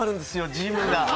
ジムが。